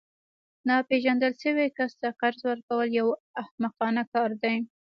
ناپیژندل شوي کس ته قرض ورکول یو احمقانه کار دی